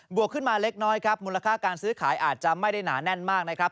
วกขึ้นมาเล็กน้อยครับมูลค่าการซื้อขายอาจจะไม่ได้หนาแน่นมากนะครับ